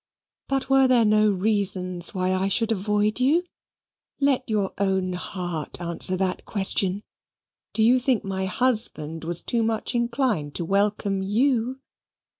But were there no reasons why I should avoid you? Let your own heart answer that question. Do you think my husband was too much inclined to welcome you?